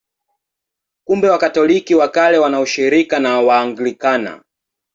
Kumbe Wakatoliki wa Kale wana ushirika na Waanglikana.